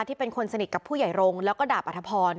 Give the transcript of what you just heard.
เป็นคนสนิทกับผู้ใหญ่รงค์แล้วก็ดาบอัธพร